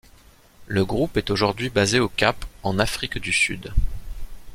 Le groupe est aujourd’hui basé au Cap en Afrique du Sud.